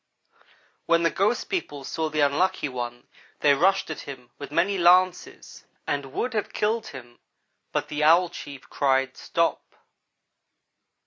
when the ghost people saw the Unlucky one they rushed at him with many lances and would have killed him but the Owl chief cried, 'Stop!'